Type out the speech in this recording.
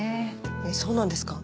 えっそうなんですか。